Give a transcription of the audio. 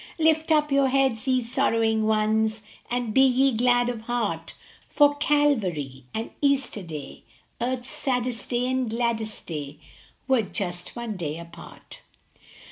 Lift up your heads, ye sorrowing ones, And be ye glad of heart, For Calvary and Easter Day, Earth s saddest day and gladdest day, Were just one day apart